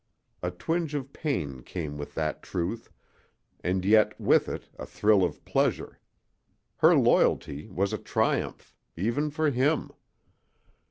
A twinge of pain came with that truth, and yet with it a thrill of pleasure. Her loyalty was a triumph even for him.